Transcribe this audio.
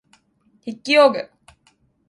筆記用具